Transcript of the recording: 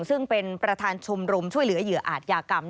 ซึ่งเป็นประธานชมรมช่วยเหลือเหยื่ออาจยากรรม